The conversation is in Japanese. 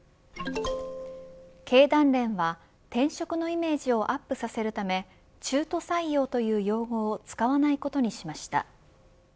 経団連は転職のイメージをアップさせるため中途採用という用語を使わないことにしました。